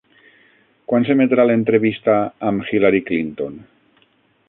Quan s'emetrà l'entrevista amb Hillary Clinton?